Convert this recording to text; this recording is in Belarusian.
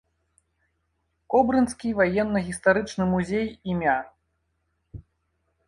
Кобрынскі ваенна-гістарычны музей ім.